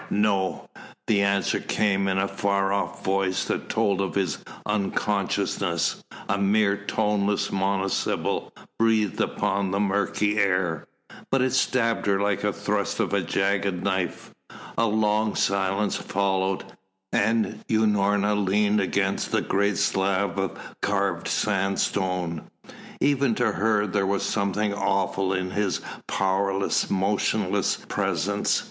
"No." The answer came in the far off voice that told of his unconsciousness, a mere toneless monosyllable breathed upon the murky air. But it stabbed her like the thrust of a jagged knife. A long silence followed, and Unorna leaned against the great slab of carved sandstone. Even to her there was something awful in his powerless, motionless presence.